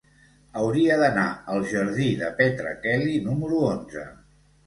Hauria d'anar al jardí de Petra Kelly número onze.